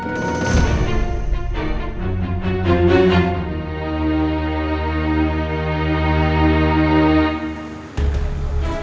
ada yang disembunyikan sama elsa